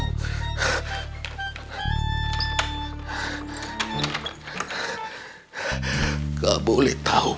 nggak boleh tahu